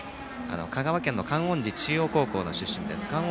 香川県の観音寺中央高校の出身です。